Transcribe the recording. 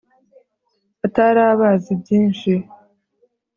atari abazi byinshi